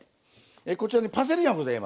こちらにパセリがございます。